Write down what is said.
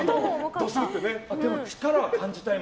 でも力は感じたよ。